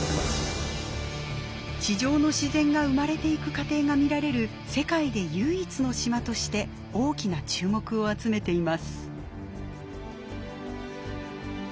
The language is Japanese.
地上の自然が生まれていく過程が見られる世界で唯一の島として大きな注目を集めています。